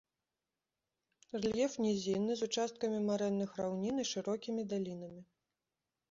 Рэльеф нізінны з участкамі марэнных раўнін і шырокімі далінамі.